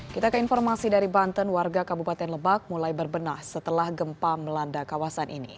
kita ke informasi dari banten warga kabupaten lebak mulai berbenah setelah gempa melanda kawasan ini